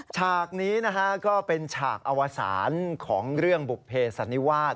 ฉากนี้นะฮะก็เป็นฉากอวสารของเรื่องบุภเพสันนิวาส